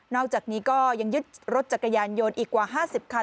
อกจากนี้ก็ยังยึดรถจักรยานยนต์อีกกว่า๕๐คัน